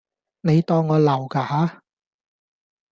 你當我流架吓